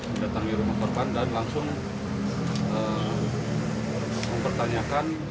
mendatangi rumah korban dan langsung mempertanyakan